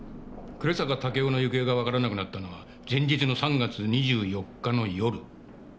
暮坂武雄の行方がわからなくなったのは前日の３月２４日の夜。